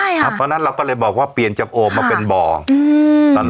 เพราะฉะนั้นเราก็เลยบอกว่าเปลี่ยนจากโอ่งมาเป็นบ่อ